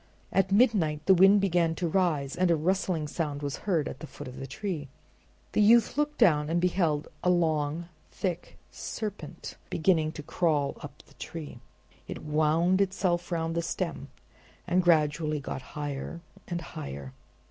At midnight the wind began to rise and a rustling sound was heard at the foot of the tree. The youth looked down and beheld a long thick serpent beginning to crawl up the tree. It wound itself round the stem and gradually got higher and higher.